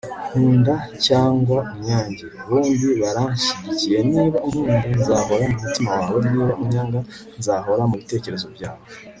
nkunda cyangwa unyange, bombi baranshyigikiye, niba unkunda, nzahora mu mutima wawe, niba unyanga, nzahora mu bitekerezo byawe